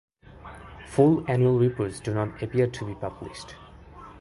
Full annual reports do not appear to be published.